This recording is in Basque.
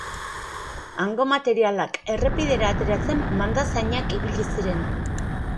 Hango materialak errepidera ateratzen mandazainak ibili ziren.